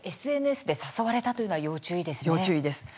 ＳＮＳで誘われたというのは要注意ですよね。